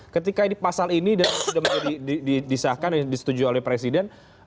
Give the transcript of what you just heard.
ketika pasal ini dan sudah disahkan dan disetujui oleh presiden